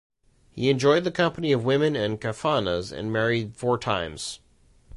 He enjoyed the company of women and "kafanas" and married four times.